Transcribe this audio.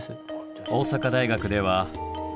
大阪大学では。